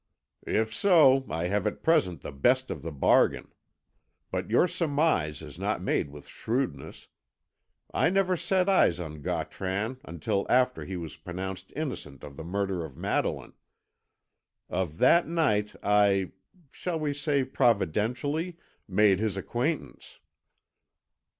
"If so, I have at present the best of the bargain. But your surmise is not made with shrewdness. I never set eyes on Gautran until after he was pronounced innocent of the murder of Madeline. On that night I shall we say providentially? made his acquaintance."